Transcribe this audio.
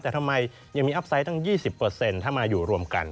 แต่ทำไมยังมีอัพไซต์ตั้ง๒๐ถ้ามาอยู่รวมกัน